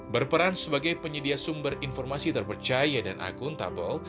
berperan sebagai penyedia sumber informasi terpercaya dan akuntabel